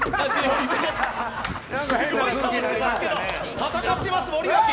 戦ってます、森脇。